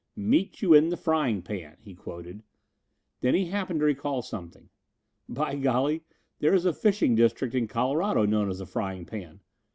"'Meet you in the Frying Pan,'" he quoted. Then he happened to recall something. "By golly, there is a fishing district in Colorado known as the Frying Pan.